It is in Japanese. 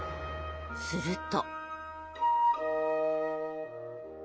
すると。